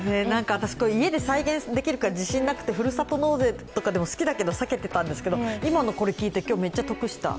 家で再現できるか自信なくて、ふるさと納税とかでも好きだけど避けていたんですが今のこれを聞いて今日めっちゃ得した。